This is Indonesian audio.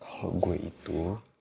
kalau gue itu